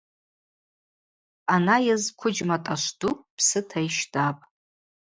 Хӏъанайыз квыджьма тӏашвдукӏ псыта йщтӏапӏ.